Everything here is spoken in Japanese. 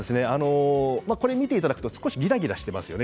これを見ていただくとちょっとギラギラしていますよね。